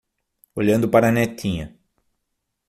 Olhando para a netinha